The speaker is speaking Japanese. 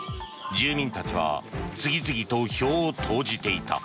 住民たちは次々と票を投じていた。